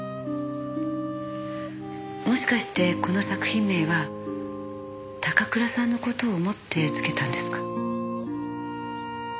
もしかしてこの作品名は高倉さんの事を思って付けたんですか？